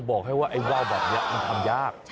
บอกให้ว่าไอ้ว่าวแบบนี้มันทำยาก